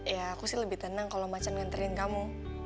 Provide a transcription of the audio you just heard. ya aku sih lebih tenang kalo macem nganterin kamu